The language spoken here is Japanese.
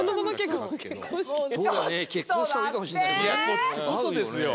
こっちこそですよ。